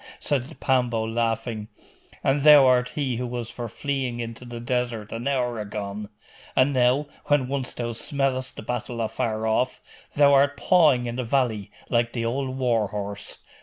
said Pambo, laughing, 'and thou art he who was for fleeing into the desert an hour agone! And now, when once thou smellest the battle afar off, thou art pawing in the valley, like the old war horse.